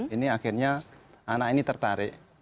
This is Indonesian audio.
ini akhirnya anak ini tertarik